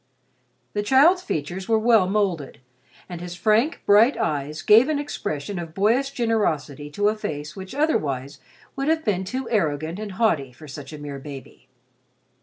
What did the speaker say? The child's features were well molded, and his frank, bright eyes gave an expression of boyish generosity to a face which otherwise would have been too arrogant and haughty for such a mere baby.